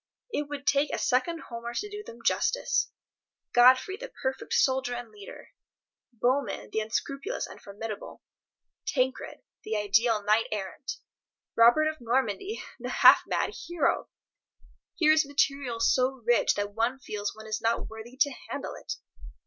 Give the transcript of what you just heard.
It would take a second Homer to do them justice. Godfrey the perfect soldier and leader, Bohemund the unscrupulous and formidable, Tancred the ideal knight errant, Robert of Normandy the half mad hero! Here is material so rich that one feels one is not worthy to handle it.